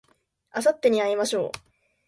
あさってに会いましょう